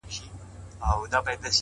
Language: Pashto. • چي وژلي یې بېځایه انسانان وه,